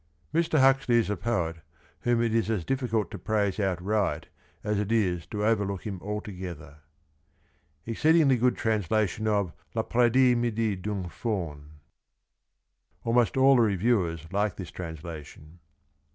Mr. Huxley is a poet whom it is as difficult to praise out right as it is to overlook him altogether. Exceedingly good translation of L'Apres midi d'un Faune. [Almost all the reviewers like this translation.